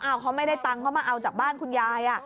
เขาไม่ได้ตังค์เขามาเอาจากบ้านคุณยาย